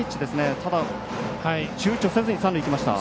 ただ、ちゅうちょせずに三塁に行きました。